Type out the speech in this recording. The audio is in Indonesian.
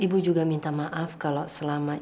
ibu juga minta maaf kalau selama